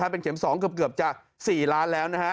เป็นเข็ม๒เกือบจะ๔ล้านแล้วนะฮะ